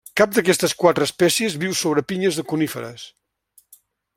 Cap d'aquestes quatre espècies viu sobre pinyes de coníferes.